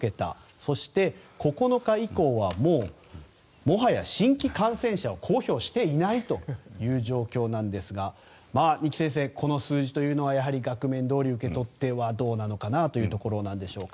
そして９日以降はもはや新規感染者を公表していないという状況なんですが二木先生、この数字というのはやはり額面どおり受け取ってはどうなのかなというところなんでしょうか。